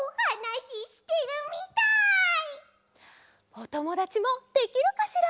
おともだちもできるかしら？